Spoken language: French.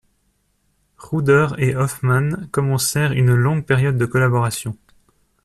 Ruder et Hoffman commencèrent une longue période de collaboration.